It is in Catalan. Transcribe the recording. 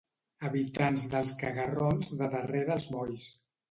Habitants dels carrerons de darrere els molls